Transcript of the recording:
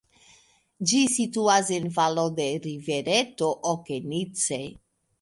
Ĝi situas en valo de rivereto Okenice.